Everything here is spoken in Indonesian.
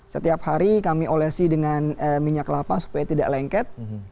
setiap hari kami olesi dengan minyak kelapa supaya tidak lengket